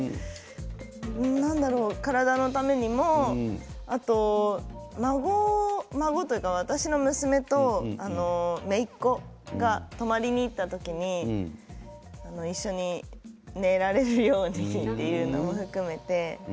何だろう、体のためにもあと、孫というか私の娘とめいっ子が泊まりに行った時に一緒に寝られるようにというのも含めて。